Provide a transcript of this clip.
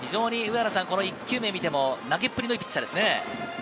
非常に、この１球目を見ても、投げっぷりのいいピッチャーですね。